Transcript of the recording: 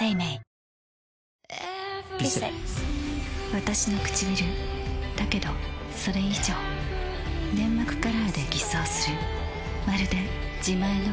わたしのくちびるだけどそれ以上粘膜カラーで偽装するまるで自前の血色感